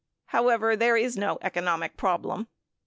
However, there is no economic problem.